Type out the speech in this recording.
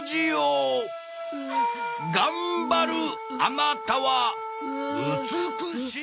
「頑張るアナタは美しい」